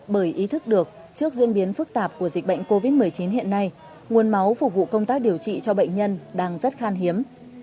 bởi ý thức được trước diễn biến phức tạp của dịch bệnh covid một mươi chín hiện nay nguồn máu phục vụ công tác điều trị cho bệnh nhân đang rất khan hiếm